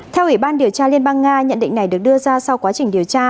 theo ủy ban điều tra liên bang nga nhận định này được đưa ra sau quá trình điều tra